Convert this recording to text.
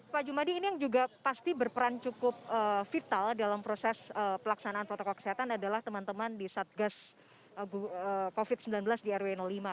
pak jumadi ini yang juga pasti berperan cukup vital dalam proses pelaksanaan protokol kesehatan adalah teman teman di satgas covid sembilan belas di rw lima